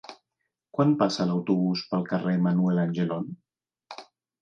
Quan passa l'autobús pel carrer Manuel Angelon?